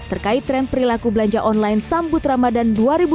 terkait tren perilaku belanja online sambut ramadan dua ribu dua puluh